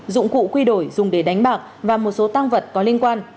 dụng cụ quy đổi dùng để đánh bạc và một số tăng vật có liên quan